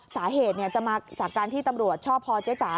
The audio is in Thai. สาเหตุจะมาจากการที่ตำรวจชอบพอเจ๊จ๋า